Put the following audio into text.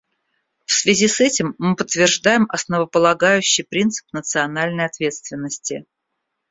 В связи с этим мы подтверждаем основополагающий принцип национальной ответственности.